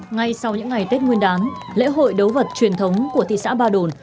ngay sau những ngày tết nguyên đán lễ hội đấu vật truyền thống của thị xã ba đồn